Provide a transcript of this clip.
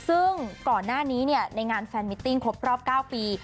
ซึ่งก่อนหน้านี้ในงานแฟนมิตติ้งครบรอบ๙ปี